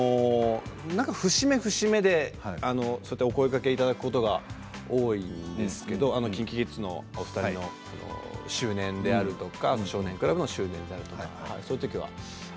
節目節目でお声がけをいただくことが多いんですけれどＫｉｎＫｉＫｉｄｓのお二人の周年であるとか「ザ少年倶楽部」の周年とか。